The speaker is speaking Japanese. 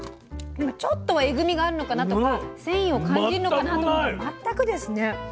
ちょっとはえぐみがあるのかなとか繊維を感じるのかなと思ったら全くですね。